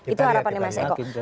itu harapannya mas eko